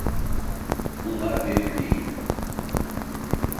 Bunlar benim değil.